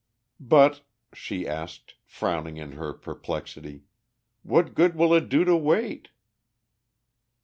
"But," she asked, frowning in her perplexity, "what good will it do to wait?"